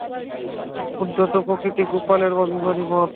উদ্ধত প্রকৃতি গোপালের, অভিমানী মন।